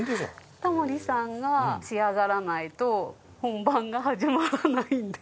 タモリさんが仕上がらないと本番が始まらないので。